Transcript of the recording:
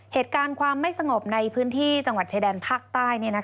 เหตุการณ์ความไม่สงบในพื้นที่จังหวัดชายแดนภาคใต้